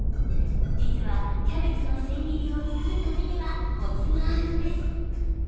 実は、キャベツのせん切りを作るためには、コツがあるんです。